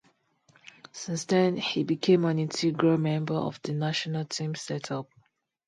Since then, he became an integral member of the national team set-up.